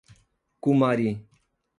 Cumari